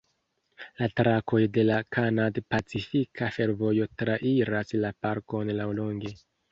La trakoj de la Kanad-Pacifika Fervojo trairas la parkon laŭlonge.